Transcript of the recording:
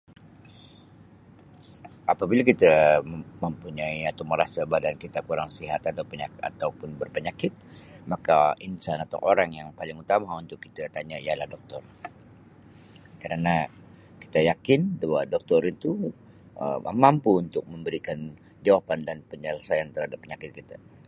Apabila kita mem-mempunyai atau merasa badan kita kurang sihat atau penya- atau pun berpenyakit maka insan atau orang yang utama untuk kita tanya ialah doktor karna kita yakin bahawa doktor itu Um mampu memberikan jawapan dan penyelesaian terhadap penyakit kita.